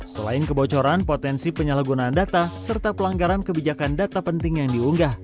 selain kebocoran potensi penyalahgunaan data serta pelanggaran kebijakan data penting yang diunggah